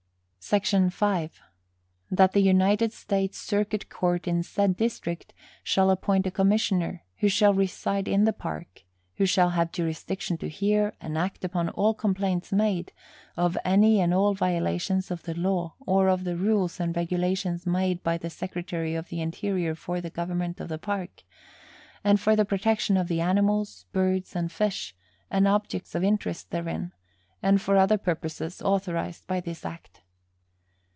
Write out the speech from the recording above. SEC. 5. That the United States circuit court in said district shall appoint a commissioner, who shall reside in the Park, who shall have jurisdiction to hear and act upon all complaints made, of any and all violations of the law, or of the rules and regulations made by the Secretary of the Interior for the government of the Park, and for the protection of the animals, birds and fish, and objects of interest therein, and for other purposes authorized by this Act.